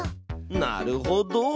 なるほど！